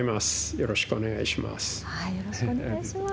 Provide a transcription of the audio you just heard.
よろしくお願いします。